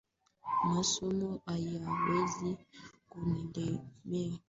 Masomo hayawezi kunilemea